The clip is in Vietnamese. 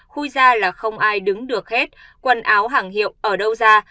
khuy ra là không ai đứng được hết quần áo hàng hiệu ở đâu ra